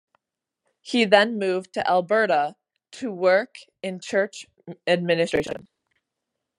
He then moved to Alberta to work in church administration.